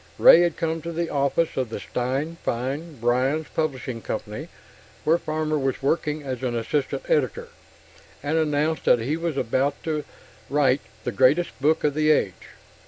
Ray had come to the office of the Stein, Fine, Bryans Publishing Co., where Farmer was working as an assistant editor, and announced that he was about to write the greatest book of the age.